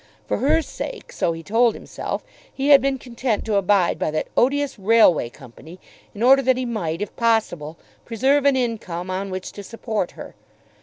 For her sake, so he told himself, he had been content to abide by that odious railway company, in order that he might if possible preserve an income on which to support her.